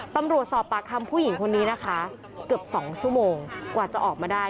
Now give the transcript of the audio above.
ตำรวจสอบปากคำผู้หญิงคนนี้นะคะเกือบ๒ชั่วโมงกว่าจะออกมาได้